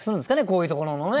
こういうところのね。